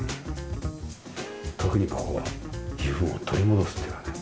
特にここは自分を取り戻すっていうかね